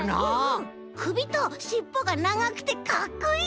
くびとしっぽがながくてかっこいい！